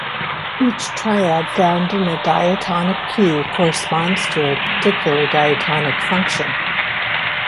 Each triad found in a diatonic key corresponds to a particular diatonic function.